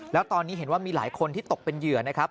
แล้วตอนนี้เห็นว่ามีหลายคนที่ตกเป็นเหยื่อนะครับ